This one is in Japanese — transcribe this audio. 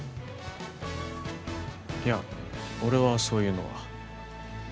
いや俺はそういうのは。